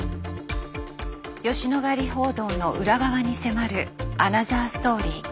吉野ヶ里報道の裏側に迫るアナザーストーリー。